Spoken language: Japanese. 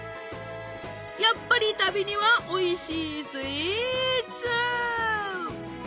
やっぱり旅にはおいしいスイーツ！